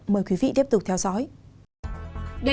mời quý vị tiếp tục theo dõi